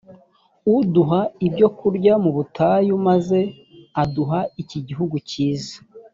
uduha ibyo kurya mu butayu maze uduha iki gihugu cyiza